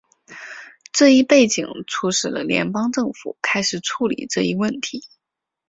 这一背景促使了联邦政府开始处理这一问题。